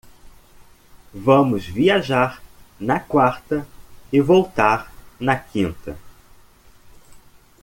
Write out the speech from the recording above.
Vamos viajar na quarta e voltar na quinta